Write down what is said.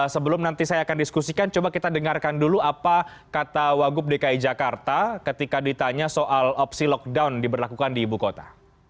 sebelum nanti saya akan diskusikan coba kita dengarkan dulu apa kata wagub dki jakarta ketika ditanya soal opsi lockdown diberlakukan di ibu kota